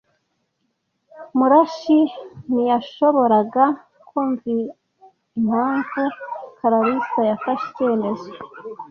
Murashyi ntiyashoboraga kumva impamvu Kalarisa yafashe icyemezo.